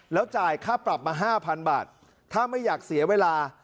แล้วจ่ายค่าปรับมา๕๐๐บาทถ้าไม่อยากเสียเวลา